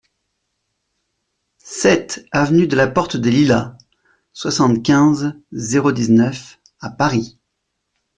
sept aV DE LA PORTE DES LILAS, soixante-quinze, zéro dix-neuf à Paris